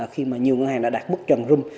khi mà nhiều ngân hàng đã đạt mức trần rung